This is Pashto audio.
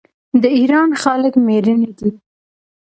د ایران خلک میړني دي.